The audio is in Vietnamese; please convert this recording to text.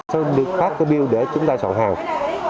thịt hải cá biêu sẽ được phát cái biêu để chúng ta soạn hàng